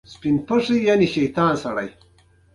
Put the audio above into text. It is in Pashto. کانديد اکاډميسن عطايی د ژبني شتمنیو ژغورنه مهمه ګڼله.